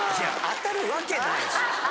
当たるわけない。